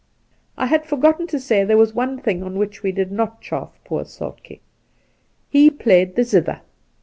I had forgotten to say that there was one thing on which we did not chaff poor Soltke. He played the zither.